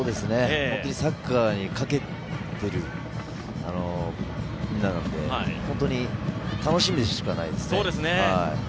サッカーにかけているみんななので、楽しみでしかないですね。